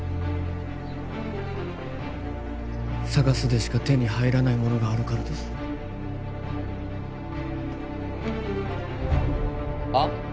ＳＡＧＡＳでしか手に入らないものがあるからですああ？